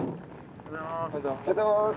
おはようございます。